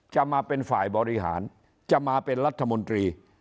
จะมาเป็นฝ่ายบริหารจะมาเป็นรัฐมนตรี